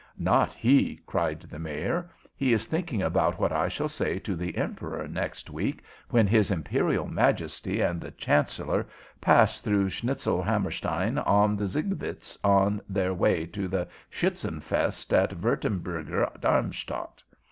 "Not he!" cried the Mayor. "He is thinking about what I shall say to the Emperor next week when his Imperial Majesty and the Chancellor pass through Schnitzelhammerstein on the Zugvitz on their way to the Schutzenfest at Würtemburger Darmstadt.